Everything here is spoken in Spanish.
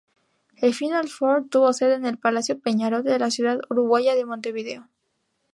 El "Final-Four" tuvo sede en el Palacio Peñarol de la ciudad uruguaya de Montevideo.